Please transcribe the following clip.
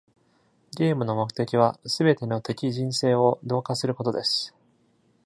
ゲームの目的は、すべての敵陣勢を同化することです。